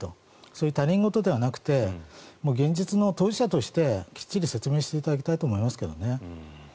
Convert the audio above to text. そういう他人事ではなくて現実の当事者としてきっちり説明していただきたいと思いますけどね。